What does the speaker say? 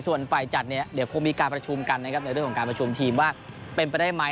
ส่วนฝ่ายจัดเนี่ยเดี๋ยวคงมีการประชุมกันนะครับในเรื่องของการประชุมทีมว่าเป็นไปได้ไหม